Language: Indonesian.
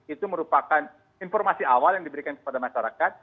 itu merupakan informasi awal yang diberikan kepada masyarakat